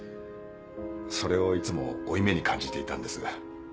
それをいつも負い目に感じていたんです。